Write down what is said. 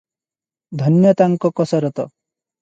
ଧନ୍ୟ ତାଙ୍କ କସରତ ।